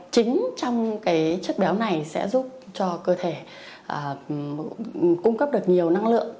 chính trong chất béo này sẽ giúp cho cơ thể cung cấp được nhiều năng lượng